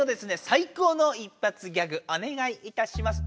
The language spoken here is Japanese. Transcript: さいこうの一発ギャグおねがいいたします。